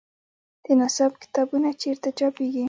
د نصاب کتابونه چیرته چاپیږي؟